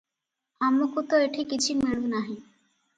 ଆମକୁ ତ ଏଠି କିଛି ମିଳୁ ନାହିଁ ।